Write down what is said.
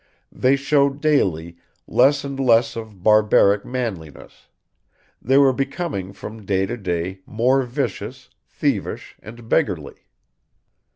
They showed daily less and less of barbaric manliness; they were becoming from day to day more vicious, thievish, and beggarly.